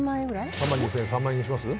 ３万２０００円３万円にします？